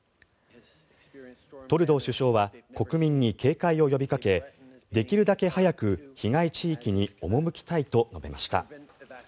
トルドー首相は国民に警戒を呼びかけできるだけ早く被害地域に赴きたいと述べました。